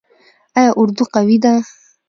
آیا اردو قوي ده؟